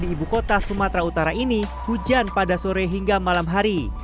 di ibu kota sumatera utara ini hujan pada sore hingga malam hari